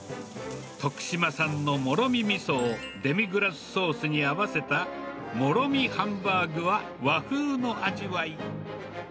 徳島産のもろみみそをデミグラスソースに合わせたもろみハンバーグは、和風の味わい。